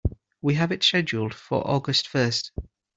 We have it scheduled for August first.